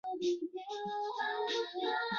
邪恶的维拉米尔寇等。